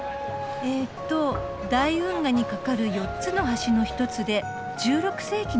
えっと「大運河に架かる４つの橋の一つで１６世紀に造られた」か。